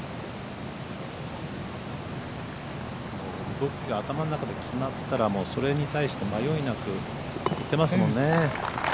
動きが頭の中で決まったらもうそれに対して迷いなく打てますもんね。